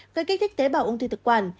gây kích thích tế bào ung thư thực quản